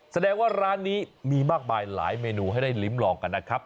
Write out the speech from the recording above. แสดงว่าร้านนี้มีมากมายหลายเมนูให้ได้ลิ้มลองกันนะครับ